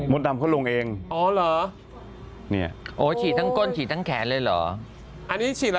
มดดำเขาลงเองอ๋อเหรอ